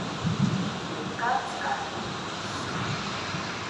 uka cqani Pisuy